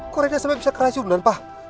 kok reyna sampai bisa keracunan pak